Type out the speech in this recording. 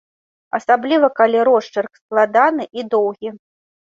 Асабліва калі росчырк складаны і доўгі.